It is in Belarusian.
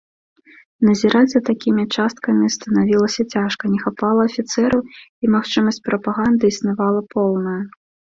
Назіраць за такімі часткамі станавілася цяжка, не хапала афіцэраў, і магчымасць прапаганды існавала поўная.